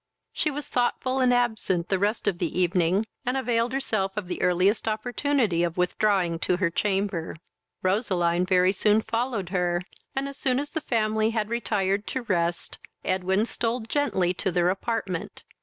She was thoughtful and absent the rest of the evening, and availed herself of the earliest opportunity of withdrawing to her chamber. Roseline very soon followed her, and, as soon as the family had retired to rest, Edwin stole gently to their apartment.